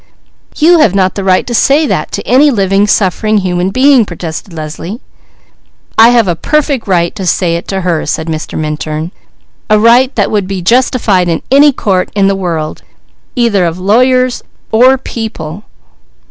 "You have not the right to say that to any living, suffering human being!" protested Leslie. "I have a perfect right to say it to her," said Mr. Minturn. "A right that would be justified in any court in the world, either of lawyers or people."